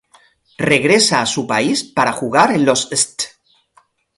Regresa a su país para jugar en los St.